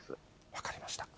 分かりました。